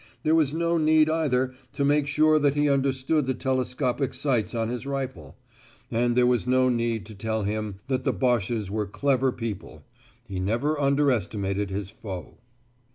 There was no need either to make sure that he understood the telescopic sights on his rifle; and there was no need to tell him that the Boches were clever people. He never under estimated his foe.